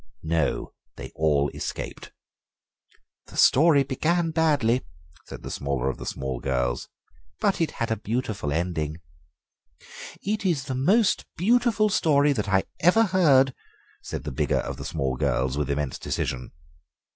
"No, they all escaped." "The story began badly," said the smaller of the small girls, "but it had a beautiful ending." "It is the most beautiful story that I ever heard," said the bigger of the small girls, with immense decision.